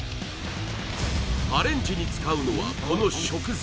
アレンジに使うのはこの食材